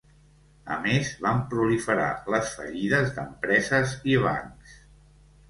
A més, van proliferar les fallides d'empreses i bancs.